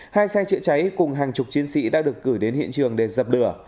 hai xe chạy cháy cùng hàng chục chiến sĩ đã được cử đến hiện trường để dập đửa